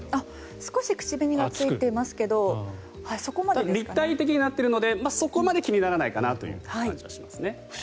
少し口紅がついていますけど立体的になっているのでそこまで気にならないかなという感じがしますね。